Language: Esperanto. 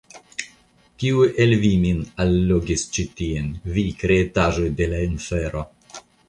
Kiu el vi min allogis ĉi tien, vi kreitaĵoj de la infero?